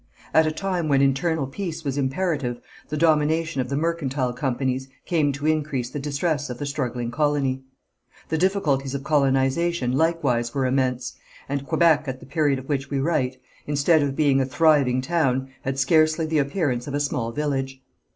At a time when internal peace was imperative the domination of the mercantile companies came to increase the distress of the struggling colony. The difficulties of colonization likewise were immense, and Quebec at the period of which we write, instead of being a thriving town, had scarcely the appearance of a small village.